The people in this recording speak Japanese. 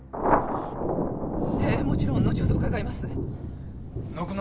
ええもちろん後ほど伺います。